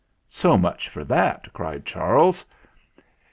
"So much for that!" cried Charles.